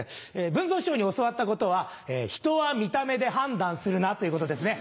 文蔵師匠に教わったことはひとは見た目で判断するなということですね。